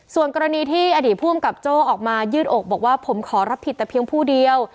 ส่วนกรณีที่อดีตผู้อำกับโจ้ออกมายืดอกบอกว่าผมขอรับผิดแต่เพียงผู้เดียว